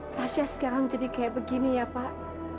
rasha sekarang jadi kayak begini ya pak